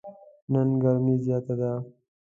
نن ګرمي زیاته ده.